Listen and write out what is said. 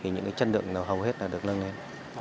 những chất lượng hầu hết được nâng lên